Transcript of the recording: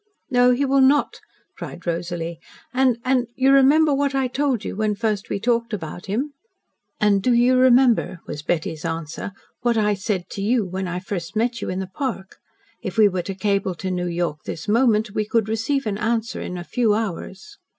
"No, he will not," cried Rosalie. "And and you remember what I told you when first we talked about him?" "And do you remember," was Betty's answer, "what I said to you when I first met you in the park? If we were to cable to New York this moment, we could receive an answer in a few hours."